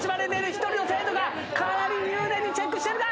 一人の生徒がかなり入念にチェックしているが。